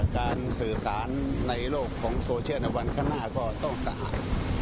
การสื่อสารในโลกของโซเชียลในวันข้างหน้าก็ต้องสะอาด